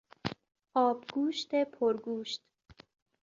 آبگوشت پرگوشت